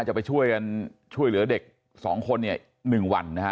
จะไปช่วยเหลือเด็กสองคนเนี่ย๑วันนะฮะ